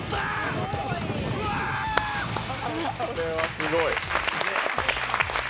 すごい。